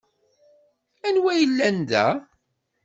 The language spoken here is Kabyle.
Anwa ay yellan da?